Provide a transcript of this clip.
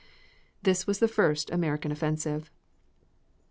This was the first American offensive.